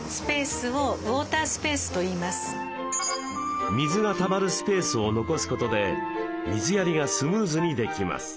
水がたまるスペースを残すことで水やりがスムーズにできます。